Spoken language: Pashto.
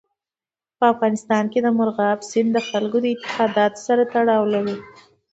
په افغانستان کې مورغاب سیند د خلکو د اعتقاداتو سره تړاو لري.